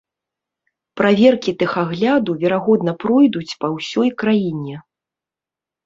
Праверкі тэхагляду верагодна пройдуць па ўсёй краіне.